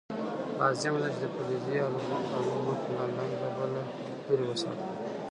لازمه ده چې د فلزي الو مخ له لنده بل لرې وساتئ.